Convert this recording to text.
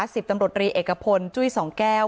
สิบตำรวจรีเอกพลจุ้ยสองแก้ว